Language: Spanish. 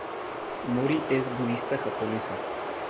Mori es budista japonesa.